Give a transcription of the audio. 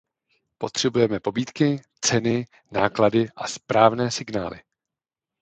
Potřebujeme pobídky, ceny, náklady a správné signály.